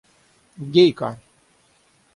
– Гейка!